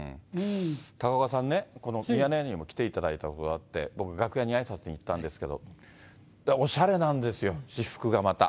高岡さんね、このミヤネ屋にも来ていただいたことがあって、僕、楽屋にあいさつに行ったんですけれども、おしゃれなんですよ、私服がまた。